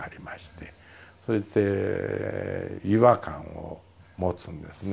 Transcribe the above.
そして違和感を持つんですね。